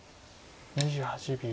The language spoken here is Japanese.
２８秒。